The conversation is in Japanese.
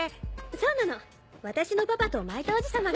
そうなの私のパパとマイトおじ様が。